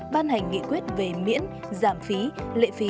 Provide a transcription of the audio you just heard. ban hành nghị quyết về miễn giảm phí lệ phí